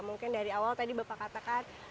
mungkin dari awal tadi bapak katakan